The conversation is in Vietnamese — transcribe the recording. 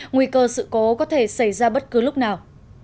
nguy cơ sự cố có thể xảy ra bất cứ lúc nào